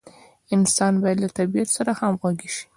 انسان باید له طبیعت سره همغږي شي.